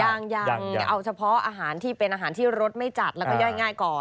ยังเอาเฉพาะอาหารที่เป็นอาหารที่รสไม่จัดแล้วก็ย่อยง่ายก่อน